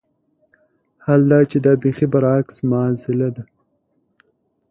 حال دا چې دا بېخي برعکس معاضله ده.